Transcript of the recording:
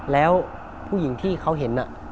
แล้วผู้หญิงที่เขาเห็น